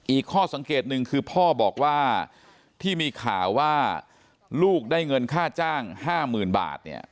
อีกข้อสังเกตหนึ่งคือพ่อบอกว่าที่มีข่าวว่าลูกได้เงินค่าจ้าง๕๐๐๐บาทเนี่ย